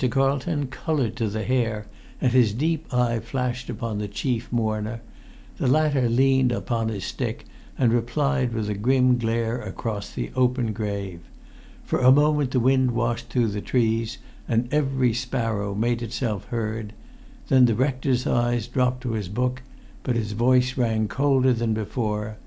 Carlton coloured to the hair, and his deep eye flashed upon the chief mourner; the latter leant upon his stick and replied with a grim glare across the open grave. For a moment the wind washed through the trees, and every sparrow made itself heard; then the rector's eyes dropped to his book, but his voice rang colder than before.